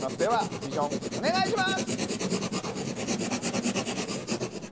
ビジョン、お願いします！